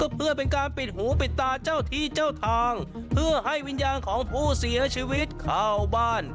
เพื่อเป็นการปิดหูปิดตาเจ้าที่เจ้าทางเพื่อให้วิญญาณของผู้เสียชีวิตเข้าบ้าน